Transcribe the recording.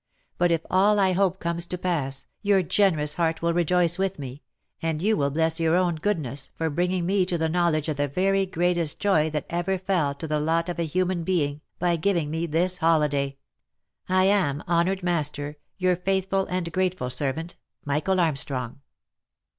But if all I hope comes to pass, your generous heart will rejoice with me, and you will bless your own goodness, for bringing me to the knowledge of the very greatest joy that ever fell to the lot of a human being, by giving me this holiday. " I am, honoured Master, " Your faithful and grateful servant, " Michael Armstrong."